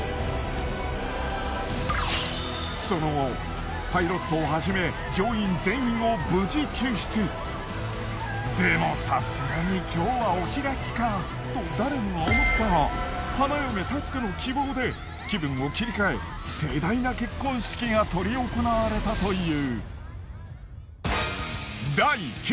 その後パイロットをはじめ乗員でもさすがに今日はお開きか？と誰もが思ったが花嫁たっての希望で気分を切り替え盛大な結婚式が執り行われたという。